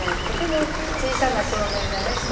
とても小さな少年がね